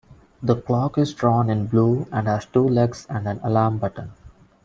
The clock is drawn in blue and has two legs and an alarm button.